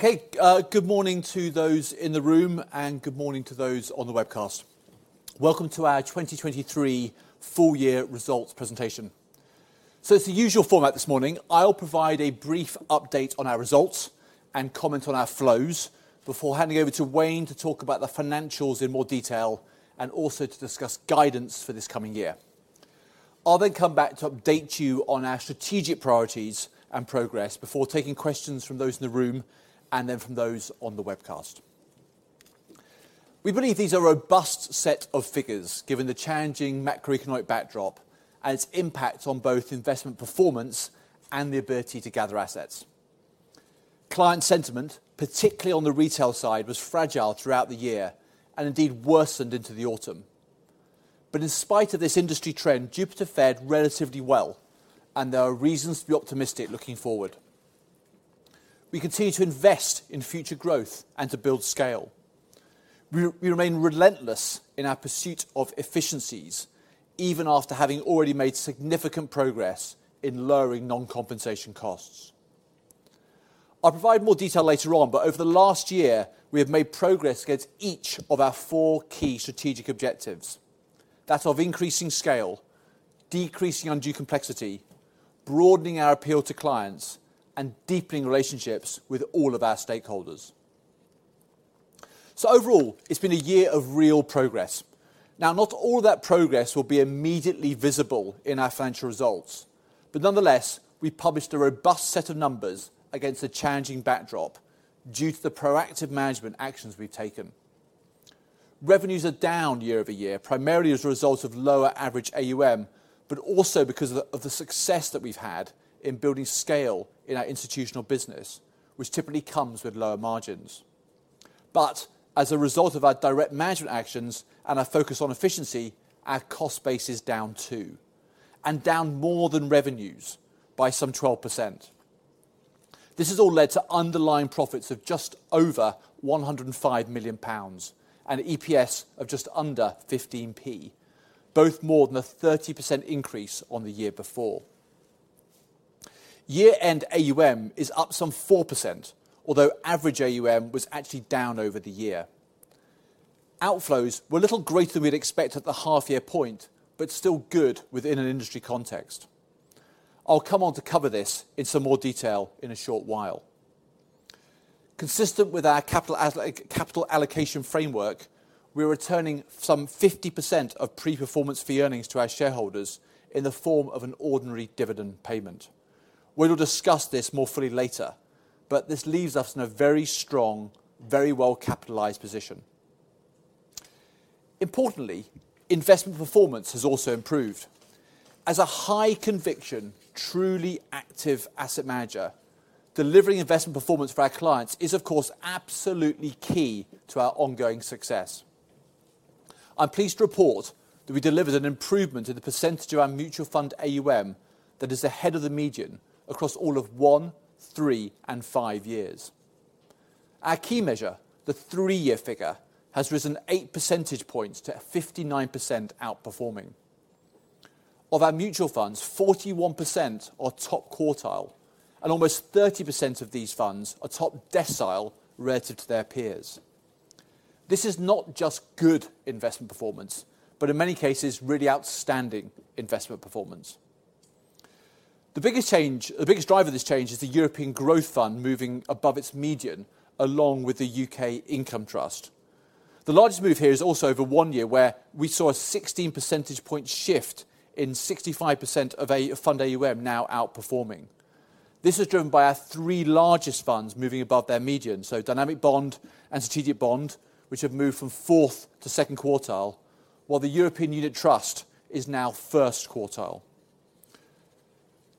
Okay, good morning to those in the room and good morning to those on the webcast. Welcome to our 2023 Full-Year Results Presentation. So it's the usual format this morning: I'll provide a brief update on our results and comment on our flows before handing over to Wayne to talk about the financials in more detail and also to discuss guidance for this coming year. I'll then come back to update you on our strategic priorities and progress before taking questions from those in the room and then from those on the webcast. We believe these are a robust set of figures given the challenging macroeconomic backdrop and its impact on both investment performance and the ability to gather assets. Client sentiment, particularly on the retail side, was fragile throughout the year and indeed worsened into the autumn. But in spite of this industry trend, Jupiter fared relatively well, and there are reasons to be optimistic looking forward. We continue to invest in future growth and to build scale. We remain relentless in our pursuit of efficiencies, even after having already made significant progress in lowering non-compensation costs. I'll provide more detail later on, but over the last year we have made progress against each of our four key strategic objectives. That's of increasing scale, decreasing undue complexity, broadening our appeal to clients, and deepening relationships with all of our stakeholders. So overall, it's been a year of real progress. Now, not all of that progress will be immediately visible in our financial results, but nonetheless we published a robust set of numbers against a challenging backdrop due to the proactive management actions we've taken. Revenues are down year-over-year, primarily as a result of lower average AUM, but also because of the success that we've had in building scale in our institutional business, which typically comes with lower margins. But as a result of our direct management actions and our focus on efficiency, our cost base is down too, and down more than revenues by some 12%. This has all led to underlying profits of just over 105 million pounds and EPS of just under 15p, both more than a 30% increase on the year before. Year-end AUM is up some 4%, although average AUM was actually down over the year. Outflows were a little greater than we'd expect at the half-year point, but still good within an industry context. I'll come on to cover this in some more detail in a short while. Consistent with our capital allocation framework, we are returning some 50% of pre-performance fee earnings to our shareholders in the form of an ordinary dividend payment. We'll discuss this more fully later, but this leaves us in a very strong, very well-capitalized position. Importantly, investment performance has also improved. As a high-conviction, truly active asset manager, delivering investment performance for our clients is, of course, absolutely key to our ongoing success. I'm pleased to report that we delivered an improvement in the percentage of our mutual fund AUM that is ahead of the median across all of one, three, and five years. Our key measure, the three-year figure, has risen 8 percentage points to 59% outperforming. Of our mutual funds, 41% are top quartile, and almost 30% of these funds are top decile relative to their peers. This is not just good investment performance, but in many cases really outstanding investment performance. The biggest driver of this change is the European Growth Fund moving above its median along with the UK Income Trust. The largest move here is also over one year, where we saw a 16 percentage point shift in 65% of fund AUM now outperforming. This is driven by our three largest funds moving above their median, so Dynamic Bond and Strategic Bond, which have moved from fourth to second quartile, while the European Growth Fund is now first quartile.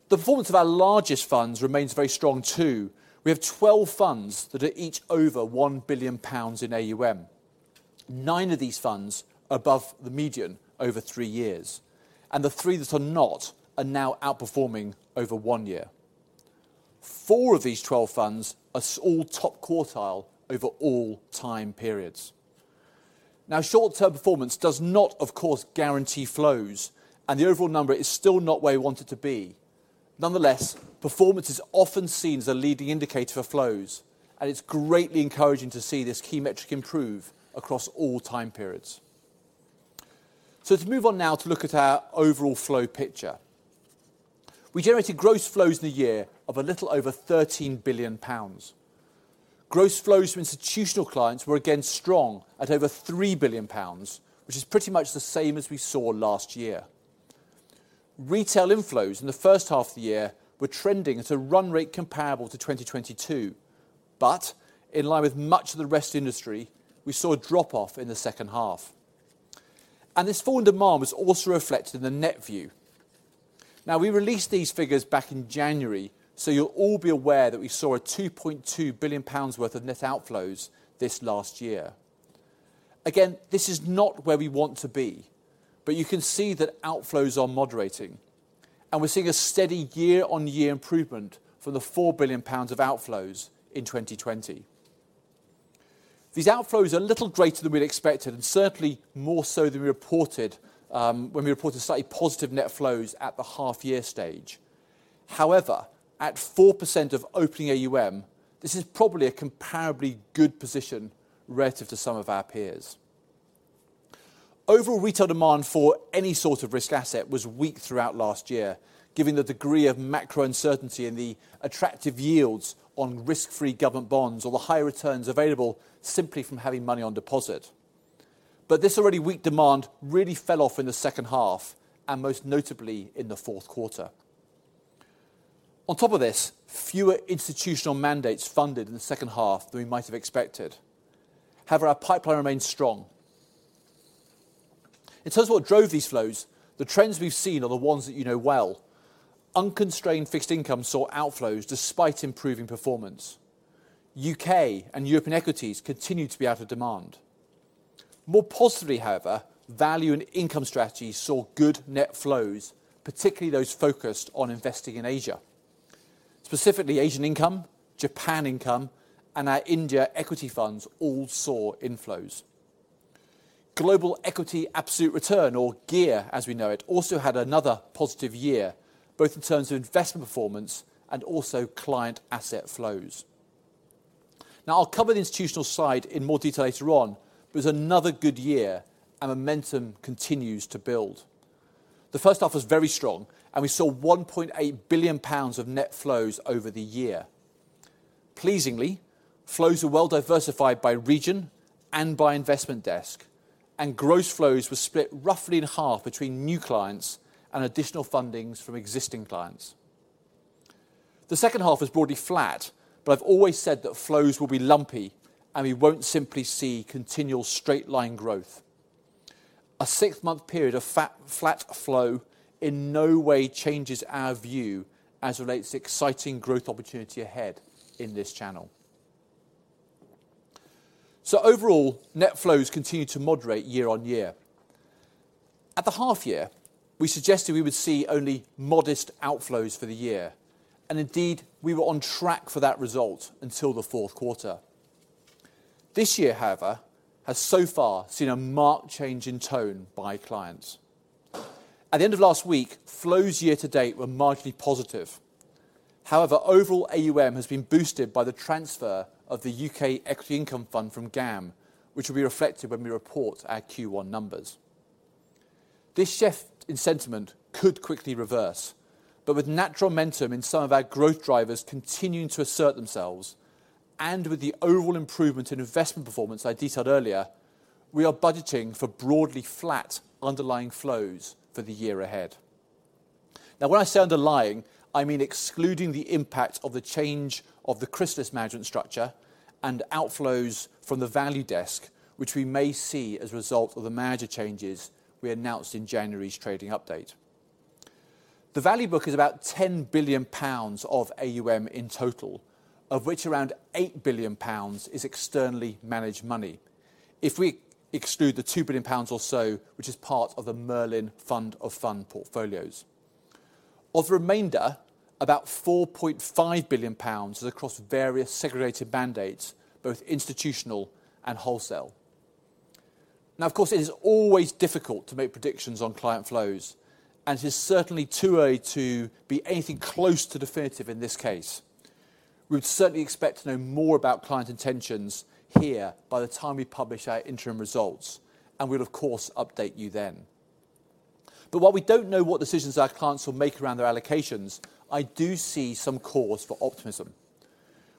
The performance of our largest funds remains very strong too. We have 12 funds that are each over 1 billion pounds in AUM. Nine of these funds are above the median over three years, and the three that are not are now outperforming over one year. 4 of these 12 funds are all top quartile over all time periods. Now, short-term performance does not, of course, guarantee flows, and the overall number is still not where we want it to be. Nonetheless, performance is often seen as a leading indicator for flows, and it's greatly encouraging to see this key metric improve across all time periods. So to move on now to look at our overall flow picture. We generated gross flows in the year of a little over 13 billion pounds. Gross flows from institutional clients were, again, strong at over 3 billion pounds, which is pretty much the same as we saw last year. Retail inflows in the first half of the year were trending at a run rate comparable to 2022, but in line with much of the rest of the industry, we saw a drop-off in the second half. This fall in demand was also reflected in the net flows. Now, we released these figures back in January, so you'll all be aware that we saw a 2.2 billion pounds worth of net outflows this last year. Again, this is not where we want to be, but you can see that outflows are moderating, and we're seeing a steady year-on-year improvement from the 4 billion pounds of outflows in 2020. These outflows are a little greater than we'd expected, and certainly more so than we reported when we reported slightly positive net flows at the half-year stage. However, at 4% of opening AUM, this is probably a comparably good position relative to some of our peers. Overall retail demand for any sort of risk asset was weak throughout last year, given the degree of macro uncertainty in the attractive yields on risk-free government bonds or the high returns available simply from having money on deposit. But this already weak demand really fell off in the second half, and most notably in the fourth quarter. On top of this, fewer institutional mandates funded in the second half than we might have expected. However, our pipeline remained strong. In terms of what drove these flows, the trends we've seen are the ones that you know well. Unconstrained fixed income saw outflows despite improving performance. U.K. and European equities continued to be out of demand. More positively, however, value and income strategies saw good net flows, particularly those focused on investing in Asia. Specifically, Asian Income, Japan Income, and our India equity funds all saw inflows. Global Equity Absolute Return, or GEAR as we know it, also had another positive year, both in terms of investment performance and also client asset flows. Now, I'll cover the institutional side in more detail later on, but it was another good year, and momentum continues to build. The first half was very strong, and we saw 1.8 billion pounds of net flows over the year. Pleasingly, flows were well diversified by region and by investment desk, and gross flows were split roughly in half between new clients and additional fundings from existing clients. The second half was broadly flat, but I've always said that flows will be lumpy, and we won't simply see continual straight-line growth. A six-month period of flat flow in no way changes our view as it relates to exciting growth opportunity ahead in this channel. So overall, net flows continue to moderate year-on-year. At the half-year, we suggested we would see only modest outflows for the year, and indeed we were on track for that result until the fourth quarter. This year, however, has so far seen a marked change in tone by clients. At the end of last week, flows year to date were marginally positive. However, overall AUM has been boosted by the transfer of the UK Equity Income Fund from GAM, which will be reflected when we report our Q1 numbers. This shift in sentiment could quickly reverse, but with natural momentum in some of our growth drivers continuing to assert themselves, and with the overall improvement in investment performance I detailed earlier, we are budgeting for broadly flat underlying flows for the year ahead. Now, when I say underlying, I mean excluding the impact of the change of the Chrysalis management structure and outflows from the value desk, which we may see as a result of the manager changes we announced in January's trading update. The value book is about 10 billion pounds of AUM in total, of which around 8 billion pounds is externally managed money, if we exclude the 2 billion pounds or so, which is part of the Merlin Fund of Funds portfolios. Of the remainder, about 4.5 billion pounds is across various segregated mandates, both institutional and wholesale. Now, of course, it is always difficult to make predictions on client flows, and it is certainly too early to be anything close to definitive in this case. We would certainly expect to know more about client intentions here by the time we publish our interim results, and we'll, of course, update you then. But while we don't know what decisions our clients will make around their allocations, I do see some cause for optimism.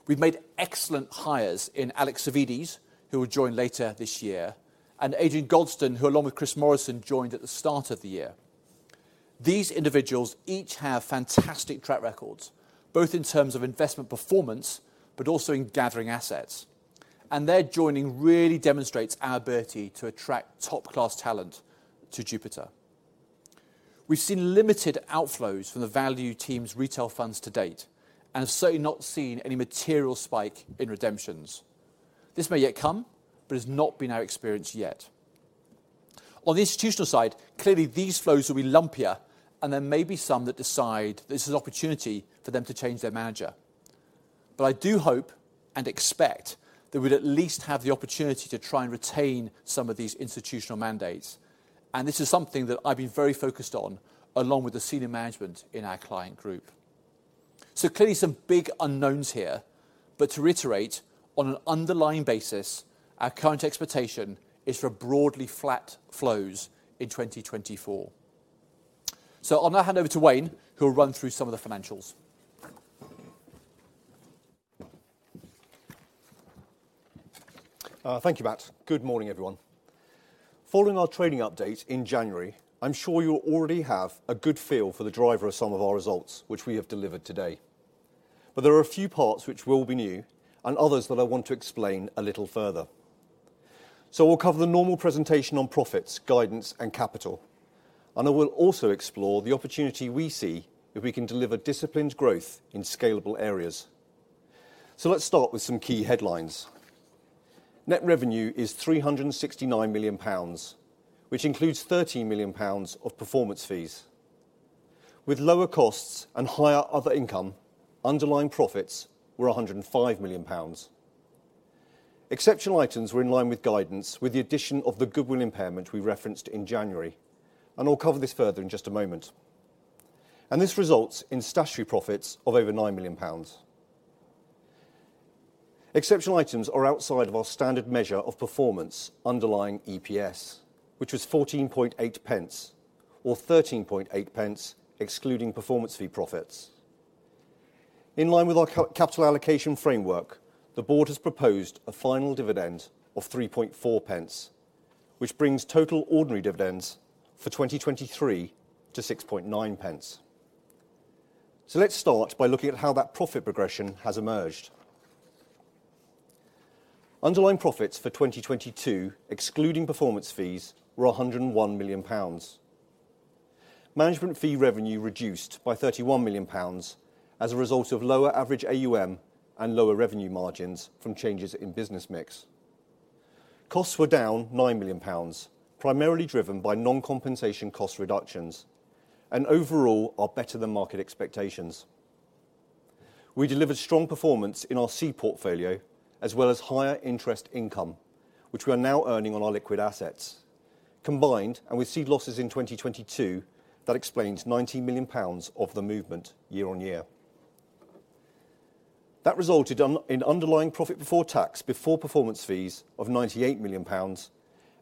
We've made excellent hires in Alex Savvides, who will join later this year, and Adrian Gosden, who along with Chris Morrison joined at the start of the year. These individuals each have fantastic track records, both in terms of investment performance but also in gathering assets. And their joining really demonstrates our ability to attract top-class talent to Jupiter. We've seen limited outflows from the value team's retail funds to date, and have certainly not seen any material spike in redemptions. This may yet come, but it has not been our experience yet. On the institutional side, clearly these flows will be lumpier, and there may be some that decide that this is an opportunity for them to change their manager. But I do hope and expect that we'd at least have the opportunity to try and retain some of these institutional mandates. And this is something that I've been very focused on along with the senior management in our Client group. So clearly some big unknowns here, but to reiterate, on an underlying basis, our current expectation is for broadly flat flows in 2024. So I'll now hand over to Wayne, who will run through some of the financials. Thank you, Matt. Good morning, everyone. Following our trading update in January, I'm sure you already have a good feel for the driver of some of our results, which we have delivered today. But there are a few parts which will be new and others that I want to explain a little further. So I'll cover the normal presentation on profits, guidance, and capital, and I will also explore the opportunity we see if we can deliver disciplined growth in scalable areas. So let's start with some key headlines. Net revenue is 369 million pounds, which includes 13 million pounds of performance fees. With lower costs and higher other income, underlying profits were 105 million pounds. Exceptional items were in line with guidance with the addition of the goodwill impairment we referenced in January, and I'll cover this further in just a moment. This results in statutory profits of over 9 million pounds. Exceptional items are outside of our standard measure of performance, underlying EPS, which was 0.148, or 0.138 excluding performance fee profits. In line with our capital allocation framework, the board has proposed a final dividend of 0.034, which brings total ordinary dividends for 2023 to 0.069. So let's start by looking at how that profit progression has emerged. Underlying profits for 2022 excluding performance fees were 101 million pounds. Management fee revenue reduced by 31 million pounds as a result of lower average AUM and lower revenue margins from changes in business mix. Costs were down 9 million pounds, primarily driven by non-compensation cost reductions, and overall are better than market expectations. We delivered strong performance in our seed portfolio as well as higher interest income, which we are now earning on our liquid assets, combined and with seed losses in 2022 that explains 19 million pounds of the movement year on year. That resulted in underlying profit before tax before performance fees of 98 million pounds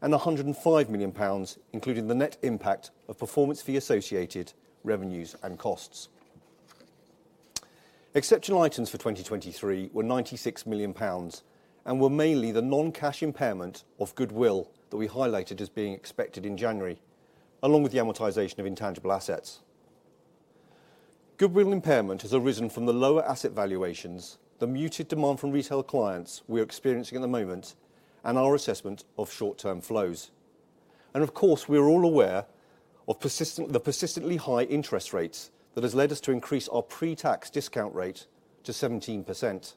and 105 million pounds, including the net impact of performance fee associated revenues and costs. Exceptional items for 2023 were 96 million pounds and were mainly the non-cash impairment of goodwill that we highlighted as being expected in January, along with the amortization of intangible assets. Goodwill impairment has arisen from the lower asset valuations, the muted demand from retail clients we are experiencing at the moment, and our assessment of short-term flows. Of course, we are all aware of the persistently high interest rates that have led us to increase our pre-tax discount rate to 17%.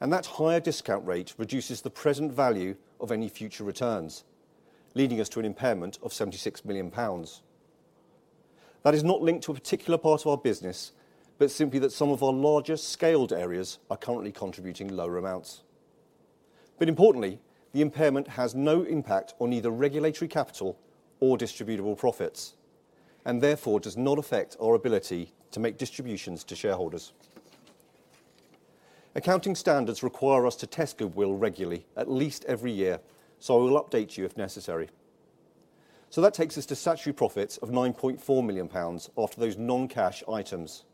That higher discount rate reduces the present value of any future returns, leading us to an impairment of 76 million pounds. That is not linked to a particular part of our business, but simply that some of our largest scaled areas are currently contributing lower amounts. But importantly, the impairment has no impact on either regulatory capital or distributable profits, and therefore does not affect our ability to make distributions to shareholders. Accounting standards require us to test goodwill regularly, at least every year, so I will update you if necessary. That takes us to statutory profits of 9.4 million pounds after those non-cash items.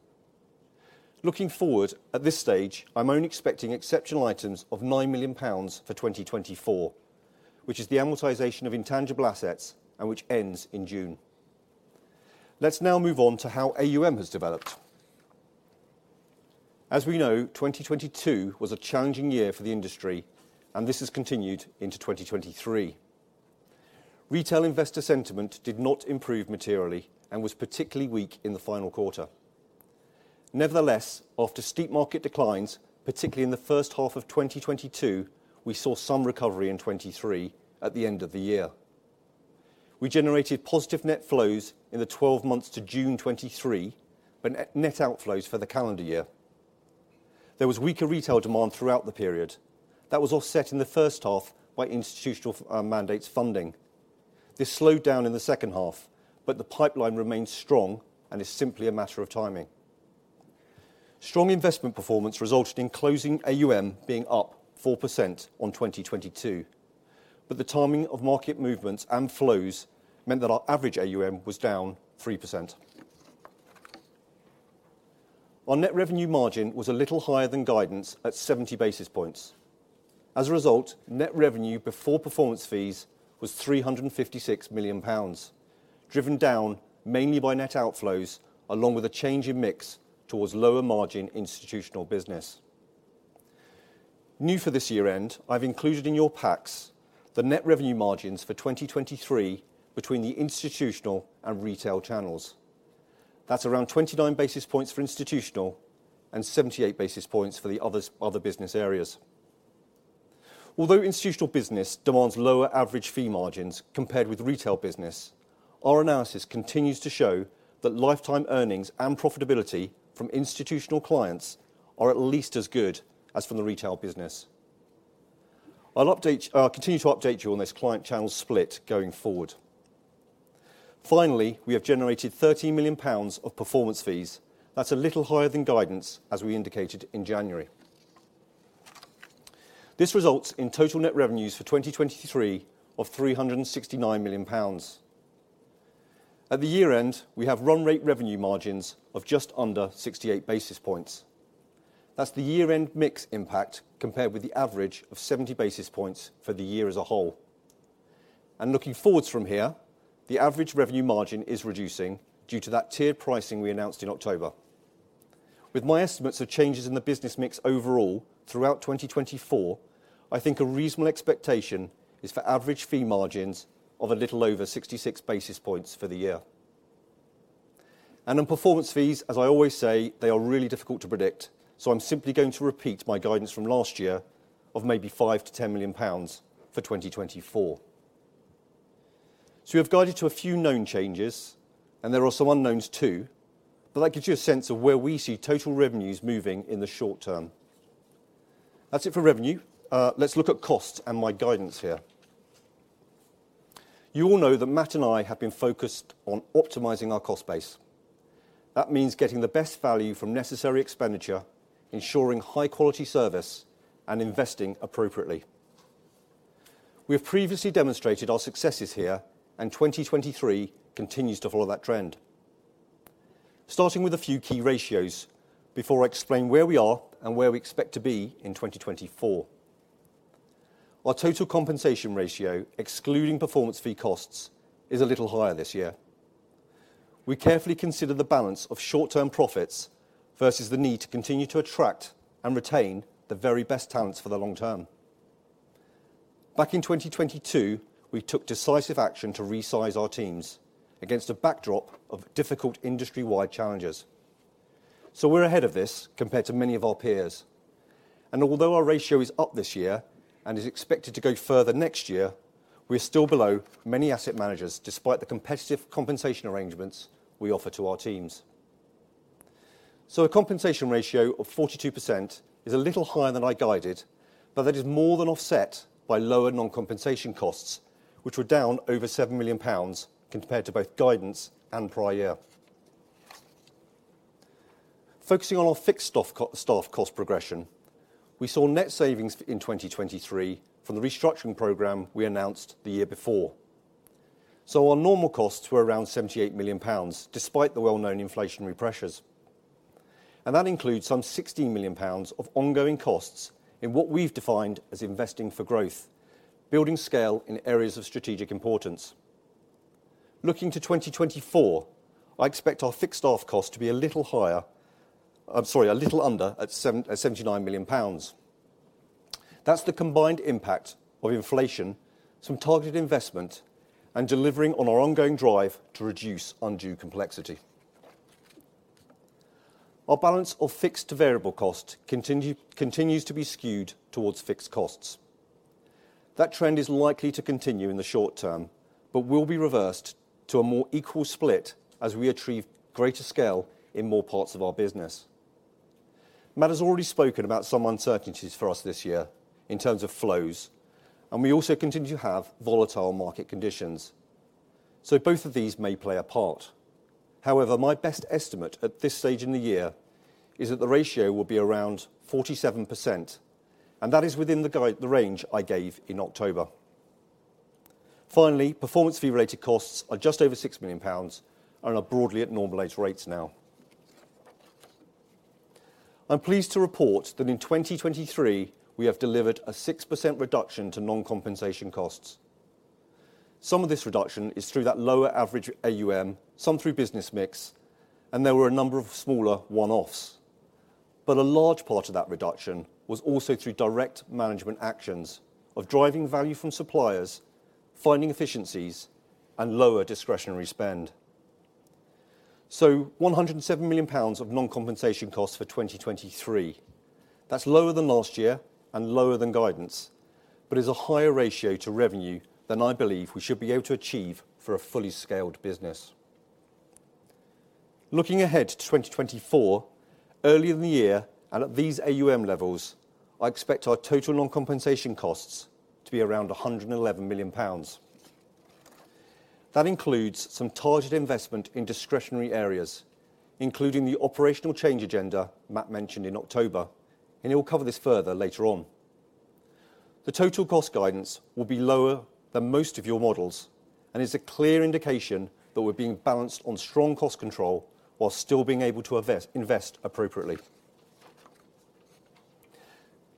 Looking forward, at this stage, I'm only expecting exceptional items of 9 million pounds for 2024, which is the amortization of intangible assets and which ends in June. Let's now move on to how AUM has developed. As we know, 2022 was a challenging year for the industry, and this has continued into 2023. Retail investor sentiment did not improve materially and was particularly weak in the final quarter. Nevertheless, after steep market declines, particularly in the first half of 2022, we saw some recovery in 2023 at the end of the year. We generated positive net flows in the 12 months to June 2023, but net outflows for the calendar year. There was weaker retail demand throughout the period. That was offset in the first half by institutional mandates funding. This slowed down in the second half, but the pipeline remains strong and is simply a matter of timing. Strong investment performance resulted in closing AUM being up 4% on 2022, but the timing of market movements and flows meant that our average AUM was down 3%. Our net revenue margin was a little higher than guidance at 70 basis points. As a result, net revenue before performance fees was 356 million pounds, driven down mainly by net outflows along with a change in mix towards lower margin institutional business. New for this year-end, I've included in your PACs the net revenue margins for 2023 between the institutional and retail channels. That's around 29 basis points for institutional and 78 basis points for the other business areas. Although institutional business demands lower average fee margins compared with retail business, our analysis continues to show that lifetime earnings and profitability from institutional clients are at least as good as from the retail business. I'll continue to update you on this client channel split going forward. Finally, we have generated 13 million pounds of performance fees. That's a little higher than guidance as we indicated in January. This results in total net revenues for 2023 of 369 million pounds. At the year-end, we have run rate revenue margins of just under 68 basis points. That's the year-end mix impact compared with the average of 70 basis points for the year as a whole. And looking forwards from here, the average revenue margin is reducing due to that tiered pricing we announced in October. With my estimates of changes in the business mix overall throughout 2024, I think a reasonable expectation is for average fee margins of a little over 66 basis points for the year. And on performance fees, as I always say, they are really difficult to predict, so I'm simply going to repeat my guidance from last year of maybe 5 million-10 million pounds for 2024. So we have guided to a few known changes, and there are some unknowns too, but that gives you a sense of where we see total revenues moving in the short term. That's it for revenue. Let's look at costs and my guidance here. You all know that Matt and I have been focused on optimizing our cost base. That means getting the best value from necessary expenditure, ensuring high-quality service, and investing appropriately. We have previously demonstrated our successes here, and 2023 continues to follow that trend. Starting with a few key ratios before I explain where we are and where we expect to be in 2024. Our total compensation ratio, excluding performance fee costs, is a little higher this year. We carefully consider the balance of short-term profits versus the need to continue to attract and retain the very best talents for the long term. Back in 2022, we took decisive action to resize our teams against a backdrop of difficult industry-wide challenges. We're ahead of this compared to many of our peers. Although our ratio is up this year and is expected to go further next year, we are still below many asset managers despite the competitive compensation arrangements we offer to our teams. A compensation ratio of 42% is a little higher than I guided, but that is more than offset by lower non-compensation costs, which were down over 7 million pounds compared to both guidance and prior year. Focusing on our fixed staff cost progression, we saw net savings in 2023 from the restructuring program we announced the year before. Our normal costs were around 78 million pounds despite the well-known inflationary pressures. And that includes some 16 million pounds of ongoing costs in what we've defined as investing for growth, building scale in areas of strategic importance. Looking to 2024, I expect our fixed staff cost to be a little higher, I'm sorry, a little under, at 79 million pounds. That's the combined impact of inflation, some targeted investment, and delivering on our ongoing drive to reduce undue complexity. Our balance of fixed to variable cost continues to be skewed towards fixed costs. That trend is likely to continue in the short term, but will be reversed to a more equal split as we achieve greater scale in more parts of our business. Matt has already spoken about some uncertainties for us this year in terms of flows, and we also continue to have volatile market conditions. So both of these may play a part. However, my best estimate at this stage in the year is that the ratio will be around 47%, and that is within the range I gave in October. Finally, performance fee-related costs are just over 6 million pounds and are broadly at normal run rates now. I'm pleased to report that in 2023, we have delivered a 6% reduction to non-compensation costs. Some of this reduction is through that lower average AUM, some through business mix, and there were a number of smaller one-offs. But a large part of that reduction was also through direct management actions of driving value from suppliers, finding efficiencies, and lower discretionary spend. So 107 million pounds of non-compensation costs for 2023, that's lower than last year and lower than guidance, but is a higher ratio to revenue than I believe we should be able to achieve for a fully scaled business. Looking ahead to 2024, earlier in the year and at these AUM levels, I expect our total non-compensation costs to be around 111 million pounds. That includes some targeted investment in discretionary areas, including the operational change agenda Matt mentioned in October, and he'll cover this further later on. The total cost guidance will be lower than most of your models and is a clear indication that we're being balanced on strong cost control while still being able to invest appropriately.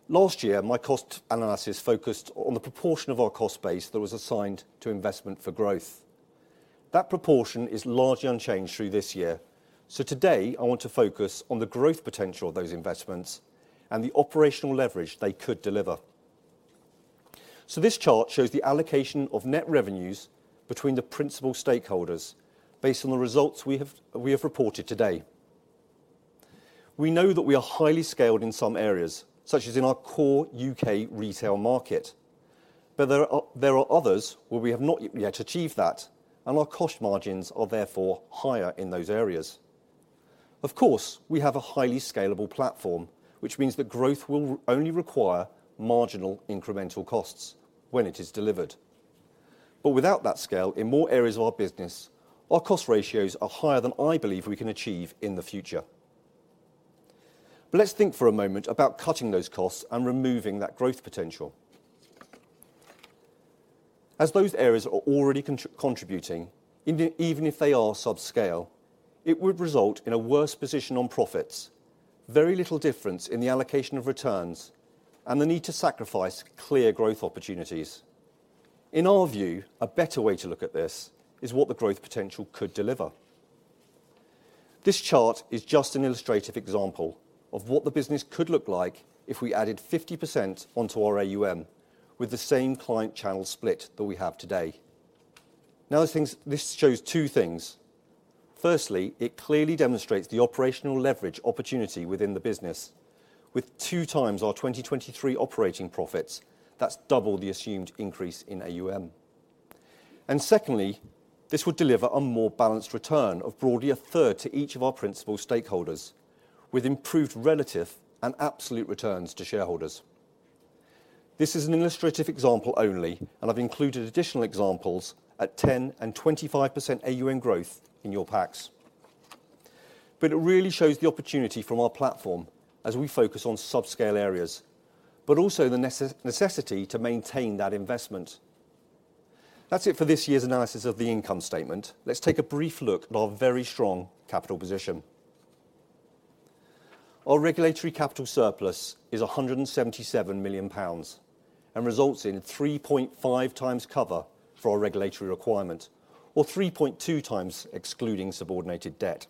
Last year, my cost analysis focused on the proportion of our cost base that was assigned to investment for growth. That proportion is largely unchanged through this year. So today, I want to focus on the growth potential of those investments and the operational leverage they could deliver. So this chart shows the allocation of net revenues between the principal stakeholders based on the results we have reported today. We know that we are highly scaled in some areas, such as in our core U.K. retail market, but there are others where we have not yet achieved that, and our cost margins are therefore higher in those areas. Of course, we have a highly scalable platform, which means that growth will only require marginal incremental costs when it is delivered. But without that scale, in more areas of our business, our cost ratios are higher than I believe we can achieve in the future. But let's think for a moment about cutting those costs and removing that growth potential. As those areas are already contributing, even if they are subscale, it would result in a worse position on profits, very little difference in the allocation of returns, and the need to sacrifice clear growth opportunities. In our view, a better way to look at this is what the growth potential could deliver. This chart is just an illustrative example of what the business could look like if we added 50% onto our AUM with the same client channel split that we have today. Now, this shows two things. Firstly, it clearly demonstrates the operational leverage opportunity within the business. With 2x our 2023 operating profits, that's double the assumed increase in AUM. And secondly, this would deliver a more balanced return of broadly a third to each of our principal stakeholders, with improved relative and absolute returns to shareholders. This is an illustrative example only, and I've included additional examples at 10% and 25% AUM growth in your PACs. But it really shows the opportunity from our platform as we focus on subscale areas, but also the necessity to maintain that investment. That's it for this year's analysis of the income statement. Let's take a brief look at our very strong capital position. Our regulatory capital surplus is 177 million pounds and results in 3.5 times cover for our regulatory requirement, or 3.2 times excluding subordinated debt.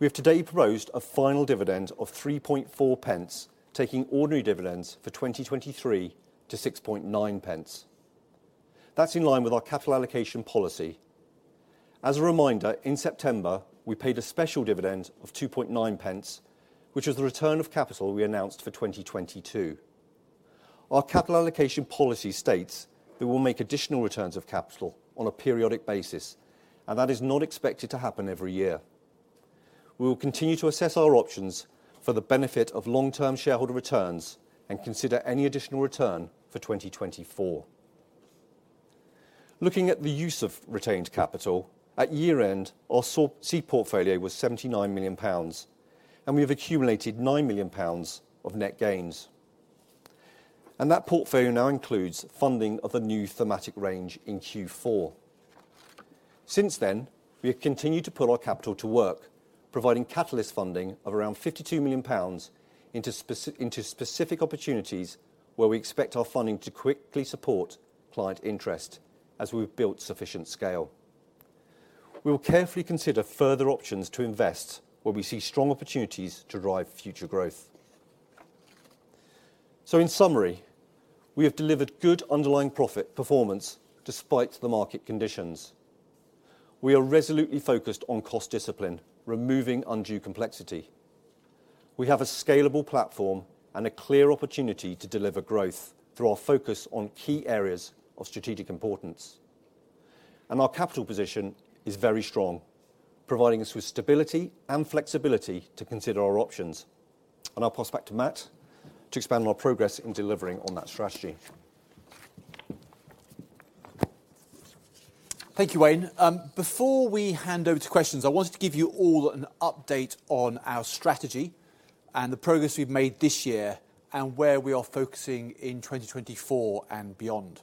We have today proposed a final dividend of 0.034, taking ordinary dividends for 2023 to 0.069. That's in line with our capital allocation policy. As a reminder, in September, we paid a special dividend of 0.029, which was the return of capital we announced for 2022. Our capital allocation policy states that we'll make additional returns of capital on a periodic basis, and that is not expected to happen every year. We will continue to assess our options for the benefit of long-term shareholder returns and consider any additional return for 2024. Looking at the use of retained capital, at year-end, our seed portfolio was 79 million pounds, and we have accumulated 9 million pounds of net gains. That portfolio now includes funding of a new thematic range in Q4. Since then, we have continued to put our capital to work, providing catalyst funding of around 52 million pounds into specific opportunities where we expect our funding to quickly support client interest as we've built sufficient scale. We will carefully consider further options to invest where we see strong opportunities to drive future growth. In summary, we have delivered good underlying profit performance despite the market conditions. We are resolutely focused on cost discipline, removing undue complexity. We have a scalable platform and a clear opportunity to deliver growth through our focus on key areas of strategic importance. Our capital position is very strong, providing us with stability and flexibility to consider our options. I'll pass back to Matt to expand on our progress in delivering on that strategy. Thank you, Wayne. Before we hand over to questions, I wanted to give you all an update on our strategy and the progress we've made this year and where we are focusing in 2024 and beyond.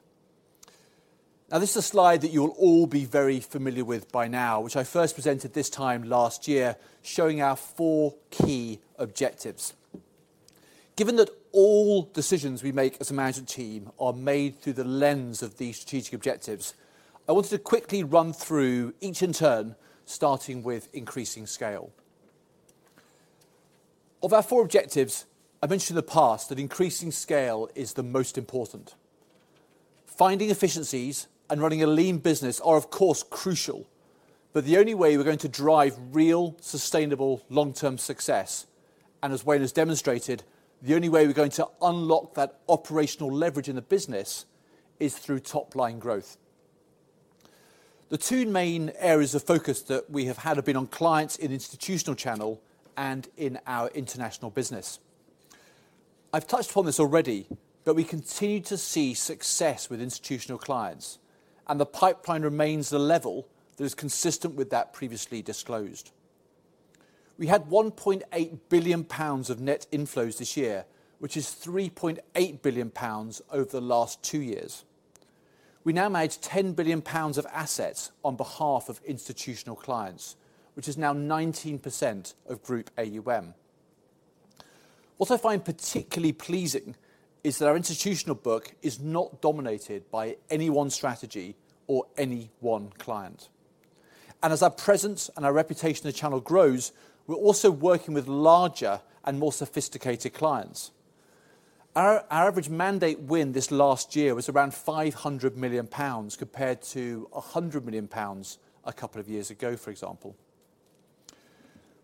Now, this is a slide that you'll all be very familiar with by now, which I first presented this time last year, showing our four key objectives. Given that all decisions we make as a management team are made through the lens of these strategic objectives, I wanted to quickly run through each in turn, starting with increasing scale. Of our four objectives, I mentioned in the past that increasing scale is the most important. Finding efficiencies and running a lean business are, of course, crucial, but the only way we're going to drive real, sustainable long-term success, and as Wayne has demonstrated, the only way we're going to unlock that operational leverage in the business is through top-line growth. The two main areas of focus that we have had have been on clients in the institutional channel and in our international business. I've touched upon this already, but we continue to see success with institutional clients, and the pipeline remains the level that is consistent with that previously disclosed. We had 1.8 billion pounds of net inflows this year, which is 3.8 billion pounds over the last two years. We now manage 10 billion pounds of assets on behalf of institutional clients, which is now 19% of Group AUM. What I find particularly pleasing is that our institutional book is not dominated by any one strategy or any one client. As our presence and our reputation in the channel grows, we're also working with larger and more sophisticated clients. Our average mandate win this last year was around 500 million pounds compared to 100 million pounds a couple of years ago, for example.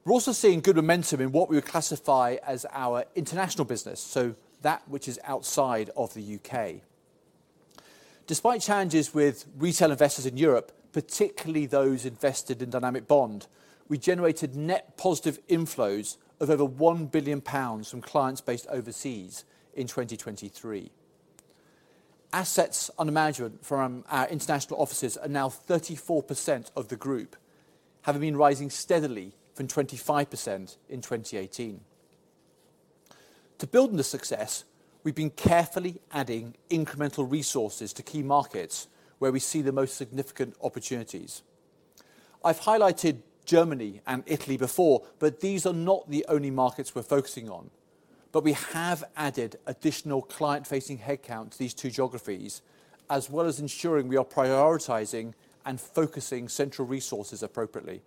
We're also seeing good momentum in what we would classify as our international business, so that which is outside of the U.K. Despite challenges with retail investors in Europe, particularly those invested in Dynamic Bond, we generated net positive inflows of over 1 billion pounds from clients based overseas in 2023. Assets under management from our international offices are now 34% of the group, having been rising steadily from 25% in 2018. To build on the success, we've been carefully adding incremental resources to key markets where we see the most significant opportunities. I've highlighted Germany and Italy before, but these are not the only markets we're focusing on. But we have added additional client-facing headcount to these two geographies, as well as ensuring we are prioritizing and focusing central resources appropriately.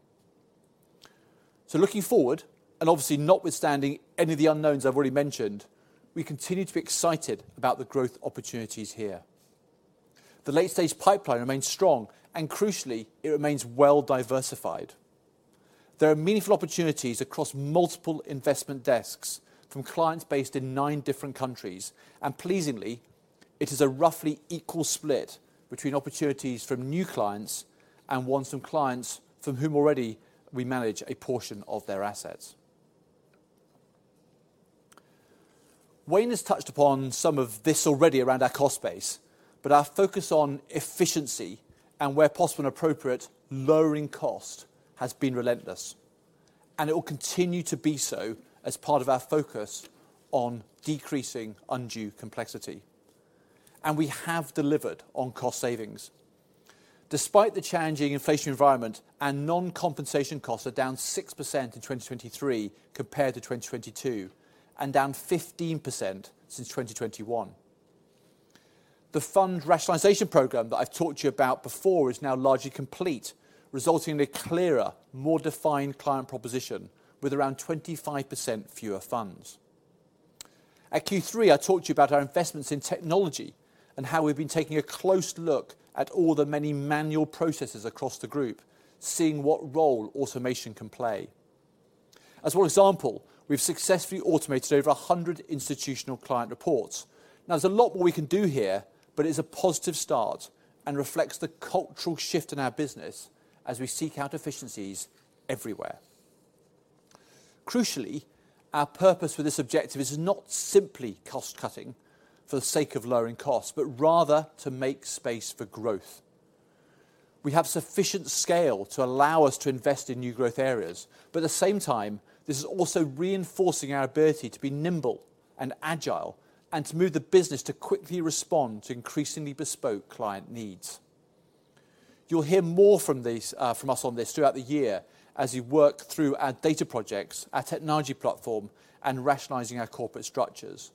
So looking forward, and obviously notwithstanding any of the unknowns I've already mentioned, we continue to be excited about the growth opportunities here. The late-stage pipeline remains strong, and crucially, it remains well-diversified. There are meaningful opportunities across multiple investment desks from clients based in nine different countries, and pleasingly, it is a roughly equal split between opportunities from new clients and ones from clients from whom already we manage a portion of their assets. Wayne has touched upon some of this already around our cost base, but our focus on efficiency and, where possible and appropriate, lowering cost has been relentless. It will continue to be so as part of our focus on decreasing undue complexity. We have delivered on cost savings. Despite the challenging inflationary environment, our non-compensation costs are down 6% in 2023 compared to 2022, and down 15% since 2021. The fund rationalization program that I've talked to you about before is now largely complete, resulting in a clearer, more defined client proposition with around 25% fewer funds. At Q3, I talked to you about our investments in technology and how we've been taking a close look at all the many manual processes across the group, seeing what role automation can play. As one example, we've successfully automated over 100 institutional client reports. Now, there's a lot more we can do here, but it's a positive start and reflects the cultural shift in our business as we seek out efficiencies everywhere. Crucially, our purpose with this objective is not simply cost-cutting for the sake of lowering costs, but rather to make space for growth. We have sufficient scale to allow us to invest in new growth areas, but at the same time, this is also reinforcing our ability to be nimble and agile and to move the business to quickly respond to increasingly bespoke client needs. You'll hear more from us on this throughout the year as we work through our data projects, our technology platform, and rationalizing our corporate structures.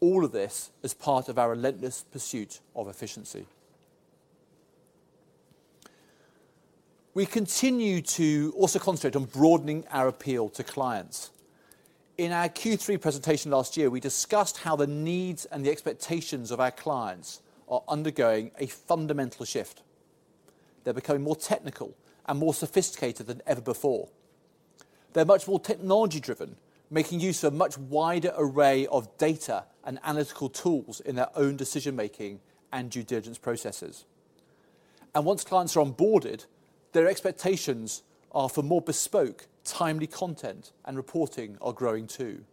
All of this as part of our relentless pursuit of efficiency. We continue to also concentrate on broadening our appeal to clients. In our Q3 presentation last year, we discussed how the needs and the expectations of our clients are undergoing a fundamental shift. They're becoming more technical and more sophisticated than ever before. They're much more technology-driven, making use of a much wider array of data and analytical tools in their own decision-making and due diligence processes. Once clients are onboarded, their expectations for more bespoke, timely content and reporting are growing too.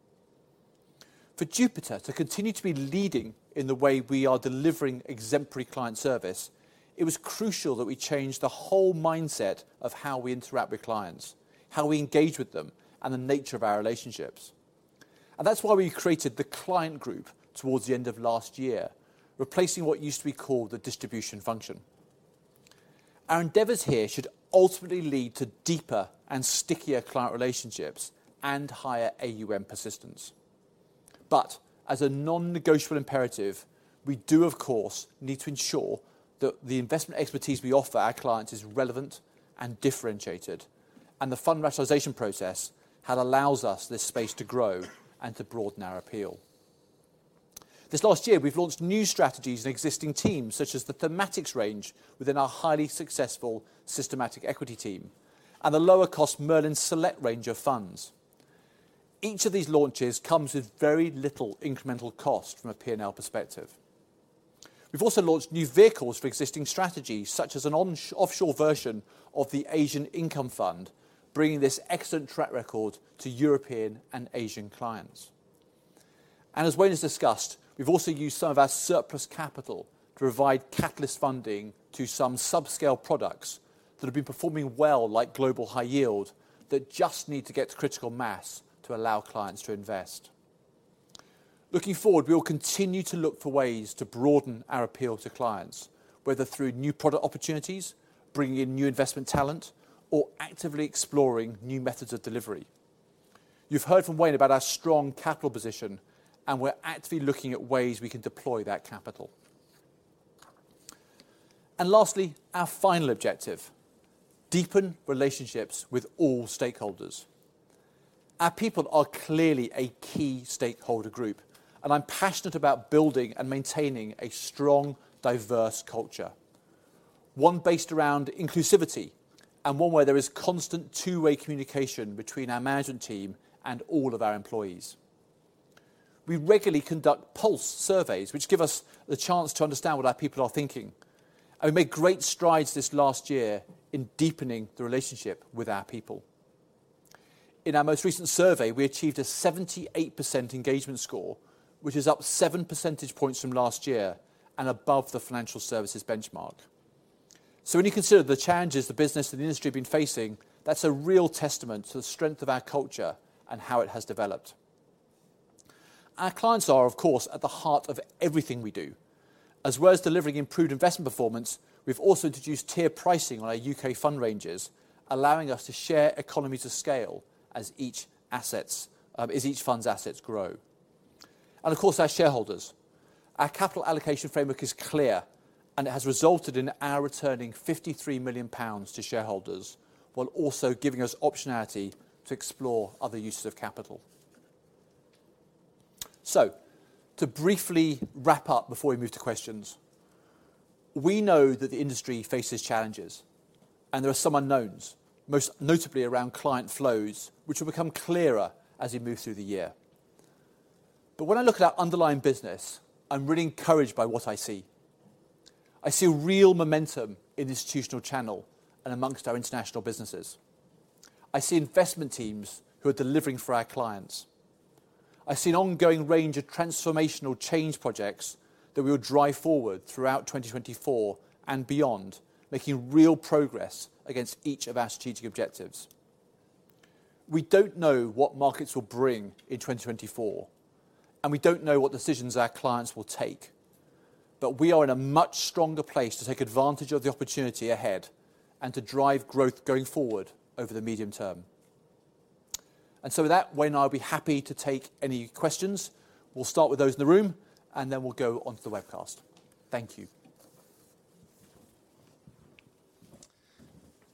For Jupiter to continue to be leading in the way we are delivering exemplary client service, it was crucial that we change the whole mindset of how we interact with clients, how we engage with them, and the nature of our relationships. That's why we created the client group towards the end of last year, replacing what used to be called the distribution function. Our endeavors here should ultimately lead to deeper and stickier client relationships and higher AUM persistence. But as a non-negotiable imperative, we do, of course, need to ensure that the investment expertise we offer our clients is relevant and differentiated, and the fund rationalization process that allows us this space to grow and to broaden our appeal. This last year, we've launched new strategies in existing teams, such as the Thematics range within our highly successful Systematic Equity team and the lower-cost Merlin Select range of funds. Each of these launches comes with very little incremental cost from a P&L perspective. We've also launched new vehicles for existing strategies, such as an offshore version of the Asian Income Fund, bringing this excellent track record to European and Asian clients. And as Wayne has discussed, we've also used some of our surplus capital to provide catalyst funding to some subscale products that have been performing well, like Global High Yield, that just need to get to critical mass to allow clients to invest. Looking forward, we will continue to look for ways to broaden our appeal to clients, whether through new product opportunities, bringing in new investment talent, or actively exploring new methods of delivery. You've heard from Wayne about our strong capital position, and we're actively looking at ways we can deploy that capital. And lastly, our final objective: deepen relationships with all stakeholders. Our people are clearly a key stakeholder group, and I'm passionate about building and maintaining a strong, diverse culture. One based around inclusivity and one where there is constant two-way communication between our management team and all of our employees. We regularly conduct Pulse surveys, which give us the chance to understand what our people are thinking. We made great strides this last year in deepening the relationship with our people. In our most recent survey, we achieved a 78% engagement score, which is up 7 percentage points from last year and above the financial services benchmark. So when you consider the challenges the business and the industry have been facing, that's a real testament to the strength of our culture and how it has developed. Our clients are, of course, at the heart of everything we do. As well as delivering improved investment performance, we've also introduced tiered pricing on our U.K. fund ranges, allowing us to share economies of scale as each fund's assets grow. Of course, our shareholders. Our capital allocation framework is clear, and it has resulted in our returning 53 million pounds to shareholders, while also giving us optionality to explore other uses of capital. So to briefly wrap up before we move to questions, we know that the industry faces challenges, and there are some unknowns, most notably around client flows, which will become clearer as we move through the year. But when I look at our underlying business, I'm really encouraged by what I see. I see real momentum in the institutional channel and amongst our international businesses. I see investment teams who are delivering for our clients. I see an ongoing range of transformational change projects that we will drive forward throughout 2024 and beyond, making real progress against each of our strategic objectives. We don't know what markets will bring in 2024, and we don't know what decisions our clients will take. But we are in a much stronger place to take advantage of the opportunity ahead and to drive growth going forward over the medium term. And so with that, Wayne and I will be happy to take any questions. We'll start with those in the room, and then we'll go on to the webcast. Thank you.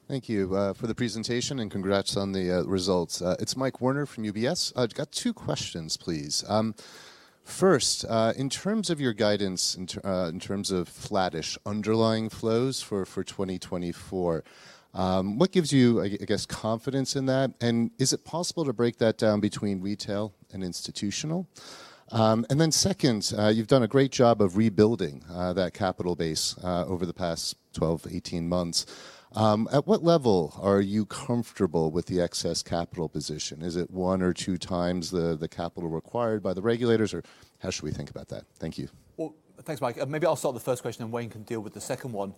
Thank you for the presentation, and congrats on the results. It's Mike Werner from UBS. I've got two questions, please. First, in terms of your guidance in terms of flatish underlying flows for 2024, what gives you, I guess, confidence in that? And is it possible to break that down between retail and institutional? And then second, you've done a great job of rebuilding that capital base over the past 12, 18 months. At what level are you comfortable with the excess capital position? Is it one or two times the capital required by the regulators, or how should we think about that? Thank you. Well, thanks, Mike. Maybe I'll start with the first question, and Wayne can deal with the second one.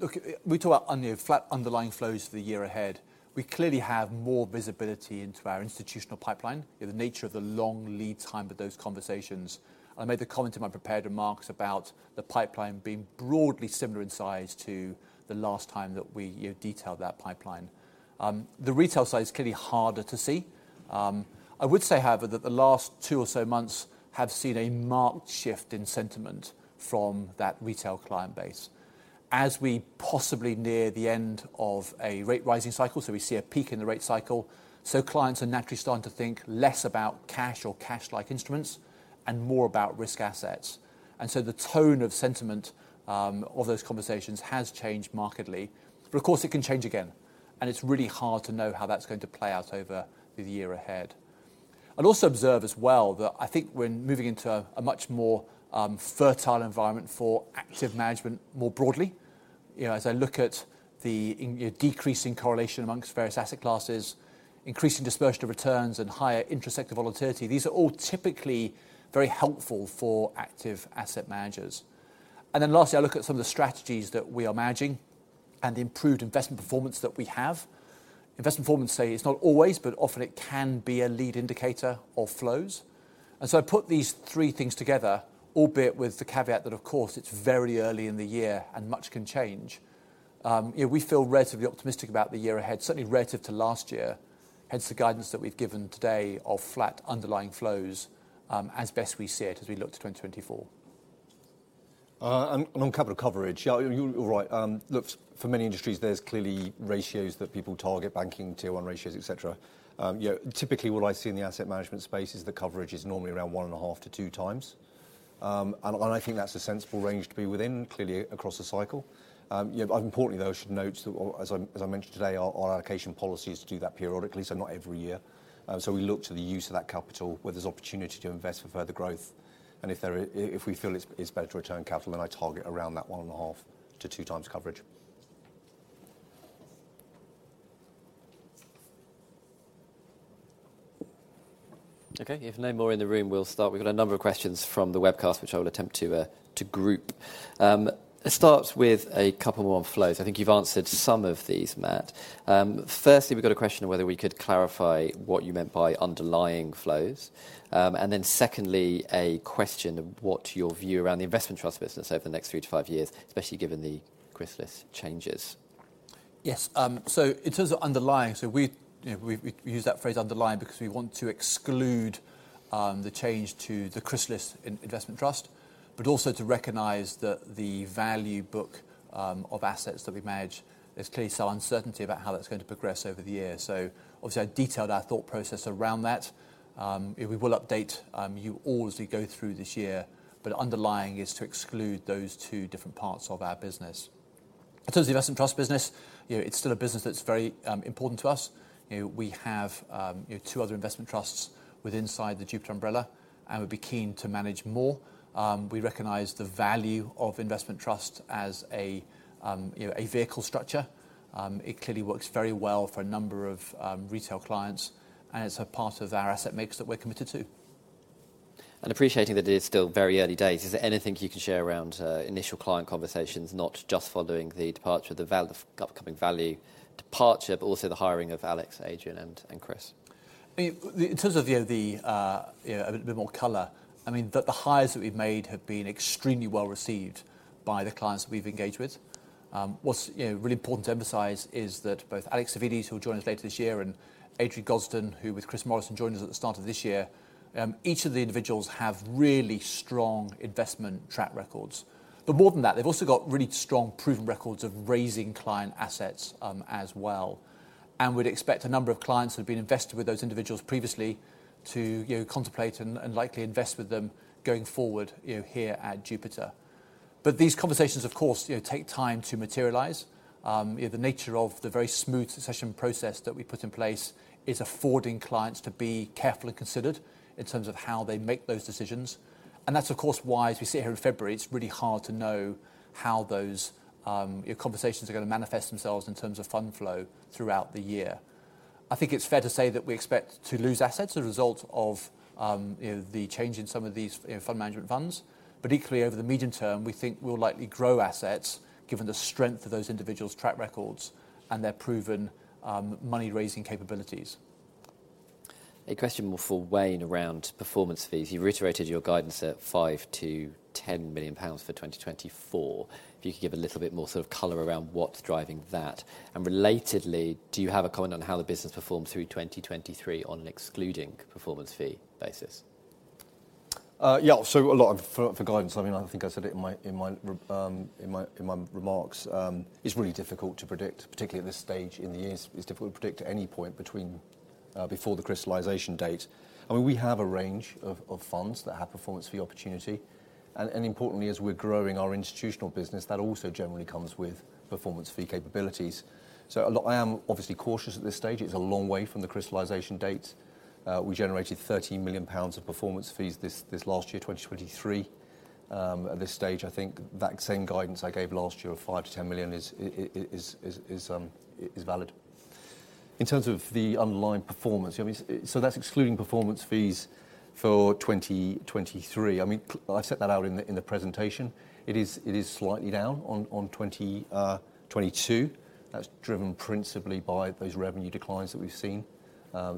Look, we talk about only flat underlying flows for the year ahead. We clearly have more visibility into our institutional pipeline, the nature of the long lead time for those conversations. And I made the comment in my prepared remarks about the pipeline being broadly similar in size to the last time that we detailed that pipeline. The retail side is clearly harder to see. I would say, however, that the last two or so months have seen a marked shift in sentiment from that retail client base. As we possibly near the end of a rate-rising cycle, so we see a peak in the rate cycle, so clients are naturally starting to think less about cash or cash-like instruments and more about risk assets. And so the tone of sentiment of those conversations has changed markedly. But of course, it can change again. And it's really hard to know how that's going to play out over the year ahead. I'd also observe as well that I think we're moving into a much more fertile environment for active management more broadly. As I look at the decreasing correlation among various asset classes, increasing dispersion of returns, and higher intra-sector volatility, these are all typically very helpful for active asset managers. And then lastly, I look at some of the strategies that we are managing and the improved investment performance that we have. Investment performance, say, it's not always, but often it can be a lead indicator of flows. And so I put these three things together, albeit with the caveat that, of course, it's very early in the year, and much can change. We feel relatively optimistic about the year ahead, certainly relative to last year, hence the guidance that we've given today of flat underlying flows as best we see it as we look to 2024. On capital coverage, you're right. Look, for many industries, there's clearly ratios that people target, banking Tier 1 ratios, et cetera. Typically, what I see in the asset management space is the coverage is normally around 1.5-2 times. I think that's a sensible range to be within, clearly across the cycle. Importantly, though, I should note that, as I mentioned today, our allocation policy is to do that periodically, so not every year. We look to the use of that capital, where there's opportunity to invest for further growth, and if we feel it's better to return capital, then I target around that 1.5-2 times coverage. OK, if no more in the room, we'll start. We've got a number of questions from the webcast, which I will attempt to group. I'll start with a couple more on flows. I think you've answered some of these, Matt. Firstly, we've got a question of whether we could clarify what you meant by underlying flows. And then secondly, a question of what's your view around the investment trust business over the next three to five years, especially given the Chrysalis changes. Yes. So in terms of underlying, so we use that phrase underlying because we want to exclude the change to the Chrysalis Investment Trust, but also to recognize that the value book of assets that we manage, there's clearly some uncertainty about how that's going to progress over the year. So obviously, I detailed our thought process around that. We will update you all as we go through this year. But underlying is to exclude those two different parts of our business. In terms of the investment trust business, it's still a business that's very important to us. We have two other investment trusts with inside the Jupiter umbrella, and we'd be keen to manage more. We recognize the value of investment trust as a vehicle structure. It clearly works very well for a number of retail clients, and it's a part of our asset mix that we're committed to. Appreciating that it is still very early days, is there anything you can share around initial client conversations, not just following the departure of the upcoming value departure, but also the hiring of Alex, Adrian, and Chris? In terms of a bit more color, I mean the hires that we've made have been extremely well received by the clients that we've engaged with. What's really important to emphasize is that both Alex Savvides, who will join us later this year, and Adrian Gosden, who with Chris Morrison joined us at the start of this year, each of the individuals have really strong investment track records. But more than that, they've also got really strong proven records of raising client assets as well. And we'd expect a number of clients who have been invested with those individuals previously to contemplate and likely invest with them going forward here at Jupiter. But these conversations, of course, take time to materialize. The nature of the very smooth succession process that we put in place is affording clients to be careful and considered in terms of how they make those decisions. That's, of course, why as we sit here in February, it's really hard to know how those conversations are going to manifest themselves in terms of fund flow throughout the year. I think it's fair to say that we expect to lose assets as a result of the change in some of these fund management funds. But equally, over the medium term, we think we'll likely grow assets given the strength of those individuals' track records and their proven money-raising capabilities. A question more for Wayne around performance fees. You reiterated your guidance at 5 million-10 million pounds for 2024. If you could give a little bit more sort of color around what's driving that? And relatedly, do you have a comment on how the business performs through 2023 on an excluding performance fee basis? Yeah, so a lot for guidance. I mean, I think I said it in my remarks. It's really difficult to predict, particularly at this stage in the year. It's difficult to predict at any point before the crystallization date. I mean, we have a range of funds that have performance fee opportunity. And importantly, as we're growing our institutional business, that also generally comes with performance fee capabilities. So I am obviously cautious at this stage. It's a long way from the crystallization date. We generated 30 million pounds of performance fees this last year, 2023. At this stage, I think that same guidance I gave last year of 5 million-10 million is valid. In terms of the underlying performance, so that's excluding performance fees for 2023. I mean, I've set that out in the presentation. It is slightly down on 2022. That's driven principally by those revenue declines that we've seen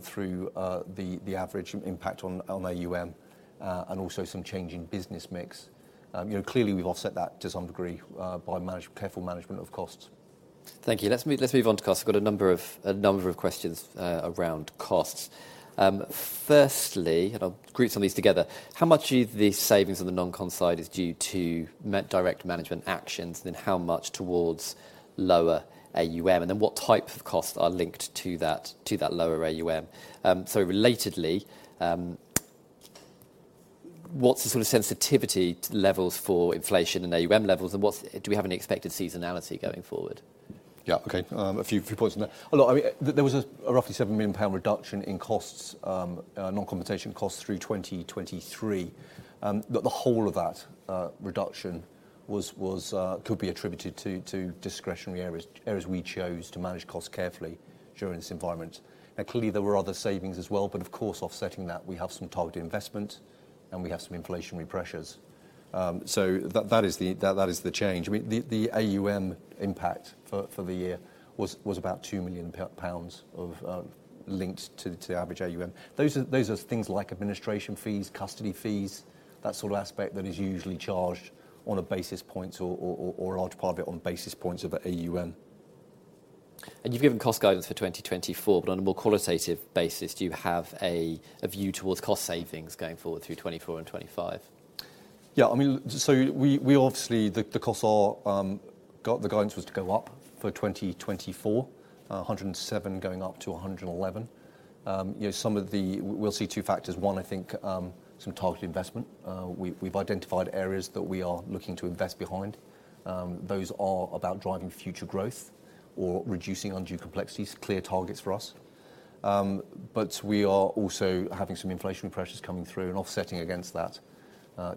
through the average impact on AUM and also some change in business mix. Clearly, we've offset that to some degree by careful management of costs. Thank you. Let's move on to costs. I've got a number of questions around costs. Firstly, and I'll group some of these together, how much of the savings on the non-con side is due to direct management actions, and then how much towards lower AUM? And then what types of costs are linked to that lower AUM? So relatedly, what's the sort of sensitivity levels for inflation and AUM levels? And do we have any expected seasonality going forward? Yeah, OK. A few points on that. A lot, I mean, there was a roughly 7 million pound reduction in costs, non-compensation costs, through 2023. The whole of that reduction could be attributed to discretionary areas, areas we chose to manage costs carefully during this environment. Now, clearly, there were other savings as well. But of course, offsetting that, we have some targeted investment, and we have some inflationary pressures. So that is the change. I mean, the AUM impact for the year was about 2 million pounds linked to the average AUM. Those are things like administration fees, custody fees, that sort of aspect that is usually charged on a basis point or a large part of it on basis points of AUM. You've given cost guidance for 2024. On a more qualitative basis, do you have a view towards cost savings going forward through 2024 and 2025? Yeah, I mean, so we obviously the costs are the guidance was to go up for 2024, 107 million going up to 111 million. Some of the we'll see two factors. One, I think some targeted investment. We've identified areas that we are looking to invest behind. Those are about driving future growth or reducing undue complexities, clear targets for us. But we are also having some inflationary pressures coming through and offsetting against that.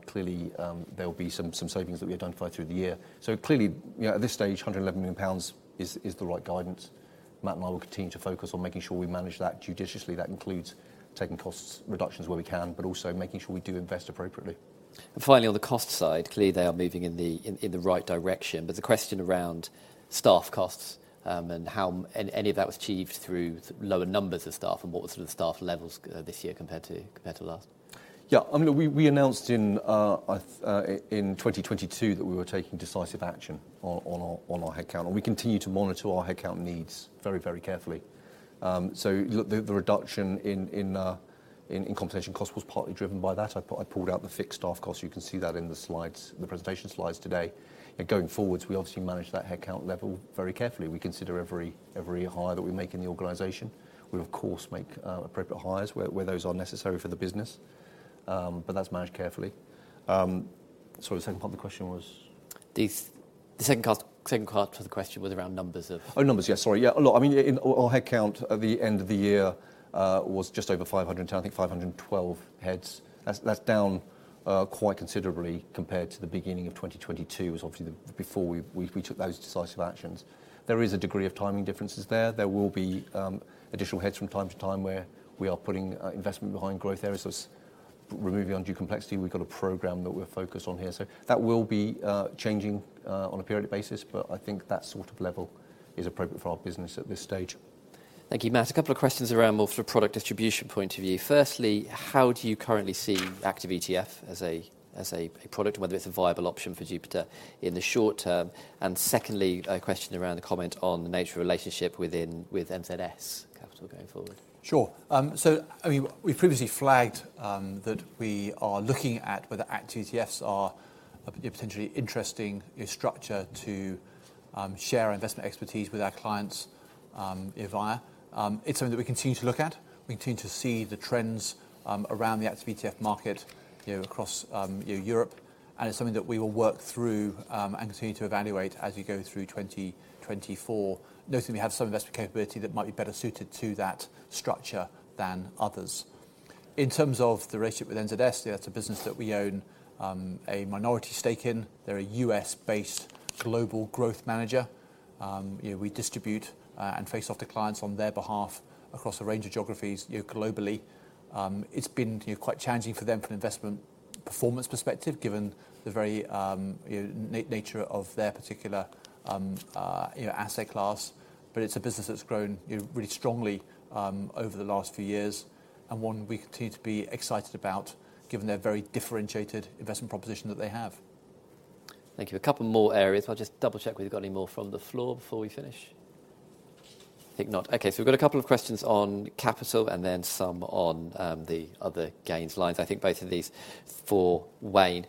Clearly, there will be some savings that we identify through the year. So clearly, at this stage, 111 million pounds is the right guidance. Matt and I will continue to focus on making sure we manage that judiciously. That includes taking cost reductions where we can, but also making sure we do invest appropriately. And finally, on the cost side, clearly, they are moving in the right direction. But the question around staff costs and how any of that was achieved through lower numbers of staff, and what were sort of the staff levels this year compared to last? Yeah, I mean, we announced in 2022 that we were taking decisive action on our headcount. We continue to monitor our headcount needs very, very carefully. The reduction in compensation costs was partly driven by that. I pulled out the fixed staff costs. You can see that in the slides, the presentation slides today. Going forward, we obviously manage that headcount level very carefully. We consider every hire that we make in the organization. We, of course, make appropriate hires where those are necessary for the business. That's managed carefully. The second part of the question was? The second part of the question was around numbers of. Oh, numbers, yeah. Sorry, yeah. A lot. I mean, our headcount at the end of the year was just over 500, and I think 512 heads. That's down quite considerably compared to the beginning of 2022, was obviously before we took those decisive actions. There is a degree of timing differences there. There will be additional heads from time to time where we are putting investment behind growth areas. So removing undue complexity, we've got a program that we're focused on here. So that will be changing on a periodic basis. But I think that sort of level is appropriate for our business at this stage. Thank you, Matt. A couple of questions around more from a product distribution point of view. Firstly, how do you currently see Active ETF as a product, and whether it's a viable option for Jupiter in the short term? And secondly, a question around the comment on the nature of relationship with NZS Capital going forward. Sure. So I mean, we've previously flagged that we are looking at whether active ETFs are a potentially interesting structure to share our investment expertise with our clients via. It's something that we continue to look at. We continue to see the trends around the active ETF market across Europe. And it's something that we will work through and continue to evaluate as we go through 2024, noting we have some investment capability that might be better suited to that structure than others. In terms of the relationship with NZS, that's a business that we own a minority stake in. They're a U.S.-based global growth manager. We distribute and face off to clients on their behalf across a range of geographies globally. It's been quite challenging for them from an investment performance perspective, given the very nature of their particular asset class. But it's a business that's grown really strongly over the last few years, and one we continue to be excited about, given their very differentiated investment proposition that they have. Thank you. A couple more areas. I'll just double check we've got any more from the floor before we finish. I think not. OK, so we've got a couple of questions on capital, and then some on the other gains lines. I think both of these for Wayne.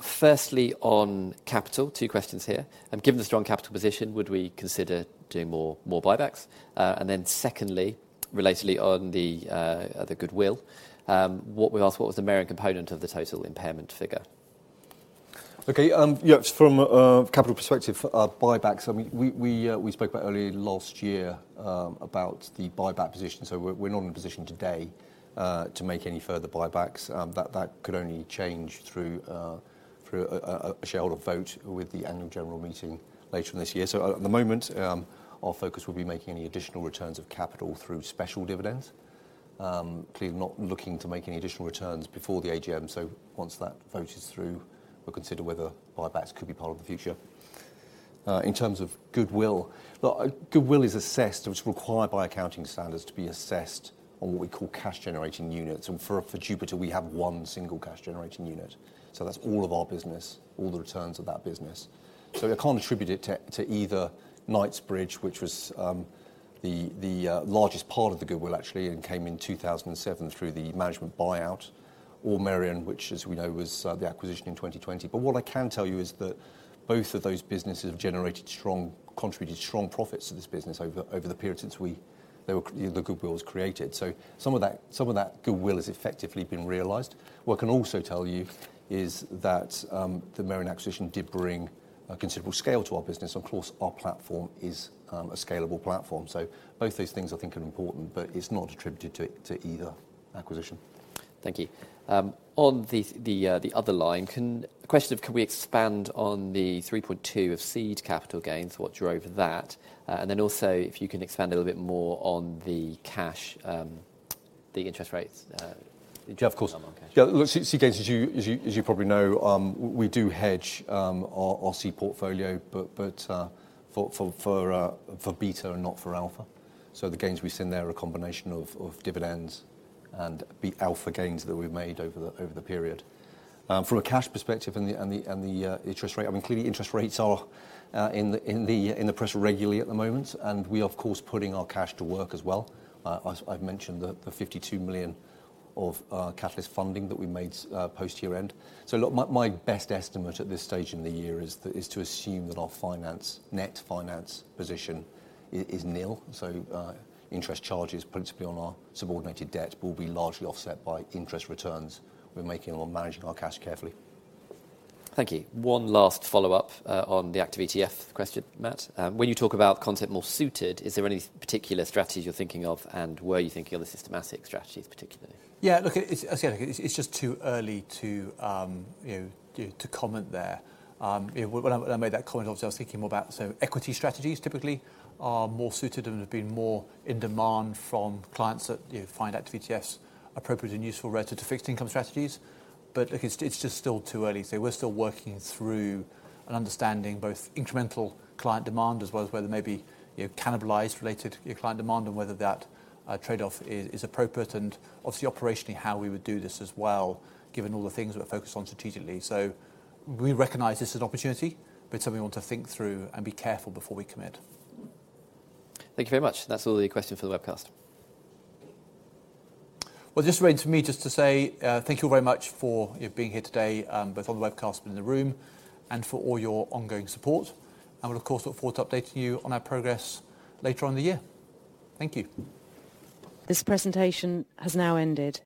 Firstly, on capital, two questions here. Given the strong capital position, would we consider doing more buybacks? And then secondly, relatedly on the goodwill, what we asked, what was the Merian component of the total impairment figure? OK, yeah, from a capital perspective, buybacks, I mean, we spoke about earlier last year about the buyback position. So we're not in a position today to make any further buybacks. That could only change through a shareholder vote with the annual general meeting later on this year. So at the moment, our focus will be making any additional returns of capital through special dividends. Clearly, not looking to make any additional returns before the AGM. So once that vote is through, we'll consider whether buybacks could be part of the future. In terms of goodwill, goodwill is assessed or it's required by accounting standards to be assessed on what we call Cash Generating Units. For Jupiter, we have one single Cash Generating Unit. So that's all of our business, all the returns of that business. So I can't attribute it to either Knightsbridge, which was the largest part of the goodwill, actually, and came in 2007 through the management buyout, or Merian, which, as we know, was the acquisition in 2020. But what I can tell you is that both of those businesses have generated strong, contributed strong profits to this business over the period since the goodwill was created. So some of that goodwill has effectively been realized. What I can also tell you is that the Merian acquisition did bring considerable scale to our business. Of course, our platform is a scalable platform. So both those things, I think, are important. But it's not attributed to either acquisition. Thank you. On the other line, a question: Can we expand on the 3.2 of seed capital gains? What drove that? And then also, if you can expand a little bit more on the cash, the interest rates. Yeah, of course. Seed gains, as you probably know, we do hedge our seed portfolio, but for beta and not for alpha. So the gains we send there are a combination of dividends and alpha gains that we've made over the period. From a cash perspective and the interest rate, I mean, clearly, interest rates are in the press regularly at the moment. And we are, of course, putting our cash to work as well. I've mentioned the $52 million of catalyst funding that we made post-year end. So my best estimate at this stage in the year is to assume that our finance, net finance position, is nil. So interest charges, principally on our subordinated debt, will be largely offset by interest returns we're making while managing our cash carefully. Thank you. One last follow-up on the Active ETF question, Matt. When you talk about concept more suited, is there any particular strategies you're thinking of? And were you thinking of the systematic strategies, particularly? Yeah, look, again, it's just too early to comment there. When I made that comment, obviously, I was thinking more about so equity strategies typically are more suited and have been more in demand from clients that find Active ETFs appropriate and useful relative to fixed income strategies. But look, it's just still too early. So we're still working through an understanding both incremental client demand as well as whether maybe cannibalized related client demand and whether that trade-off is appropriate. And obviously, operationally, how we would do this as well, given all the things that we're focused on strategically. So we recognize this is an opportunity, but it's something we want to think through and be careful before we commit. Thank you very much. That's all the questions for the webcast. Well, just for me, just to say thank you very much for being here today, both on the webcast and in the room, and for all your ongoing support. We'll, of course, look forward to updating you on our progress later in the year. Thank you. This presentation has now ended.